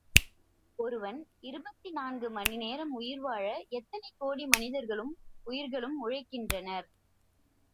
ஒருவன் இருபத்து நான்கு மணி நேரம் உயிர் வாழ எத்தனை கோடி மனிதர்களும் உயிர்களும் உழைக்கின்றனர்.